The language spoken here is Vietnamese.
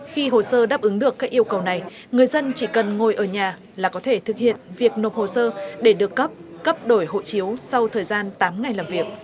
khi hồ sơ đáp ứng được các yêu cầu này người dân chỉ cần ngồi ở nhà là có thể thực hiện việc nộp hồ sơ để được cấp cấp đổi hộ chiếu sau thời gian tám ngày làm việc